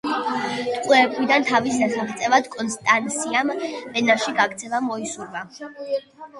ტყვეობიდან თავის დასაღწევად კონსტანსიამ ვენაში გაქცევა მოისურვა.